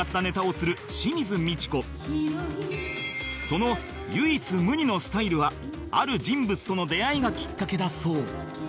その唯一無二のスタイルはある人物との出会いがきっかけだそう